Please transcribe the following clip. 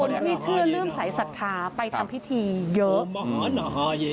ที่เชื่อเรื่องสายศรัทธาไปทำพิธีเยอะ